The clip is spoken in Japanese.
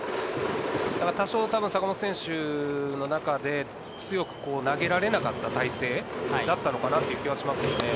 多少、坂本選手の中で強く投げられなかった体勢だったのかなっていう気はしますね。